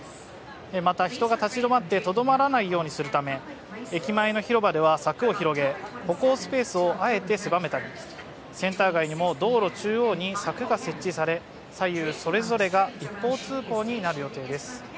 また、人が立ち止まってとどまらないようにするため、駅前の広場では柵を広げ、歩行スペースをあえて狭めたりセンター街にも道路中央に柵が設置され左右それぞれが一方通行になる予定です。